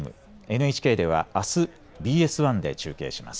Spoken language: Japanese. ＮＨＫではあすＢＳ１で中継します。